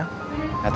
al verm pamit ya